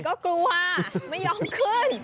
ก็กลัวไม่ยอมขึ้น